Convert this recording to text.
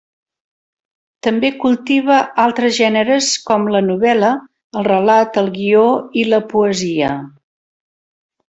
També cultiva altres gèneres com la novel·la, el relat, el guió i la poesia.